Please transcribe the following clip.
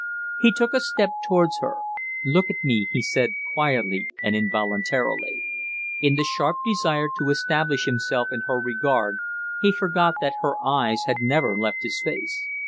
He took a step towards her. "Look at me," he said, quietly and involuntarily. In the sharp desire to establish himself in her regard he forgot that her eyes had never left his face.